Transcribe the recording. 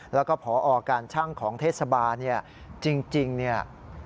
แล้วก็พอการช่างของเทศบาลเนี่ยจริงเนี่ย